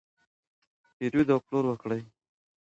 پیرود او پلور وکړئ.